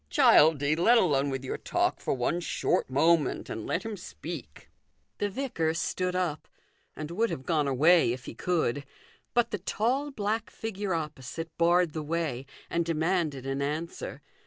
" Childie, let alone with your talk for one short moment, and let him speak." 3o8 THE GOLDEN RULE. The vicar stood up, and would have gone away if he could ; but the tall, black figure opposite barred the way, and demanded an answer.